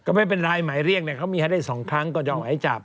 ก็ไม่เป็นไรหมายเรียกเนี่ยเขามีให้ได้๒ครั้งก็ยอมหมายจับ